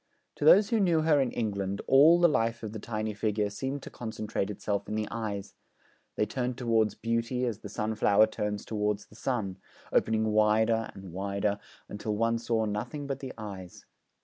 To those who knew her in England, all the life of the tiny figure seemed to concentrate itself in the eyes; they turned towards beauty as the sunflower turns towards the sun, opening wider and wider until one saw nothing but the eyes.